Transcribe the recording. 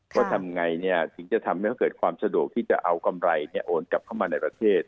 ว่าทำไงถึงจะทำให้เขาเกิดความสะดวกที่จะเอากำไรโอนกลับเข้ามาในประเทศ